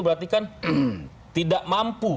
berarti kan tidak mampu